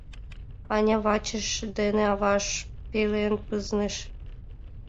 Аня вачыж дене аваж пелен пызныш.